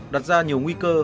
đặt ra nhiều nguy cơ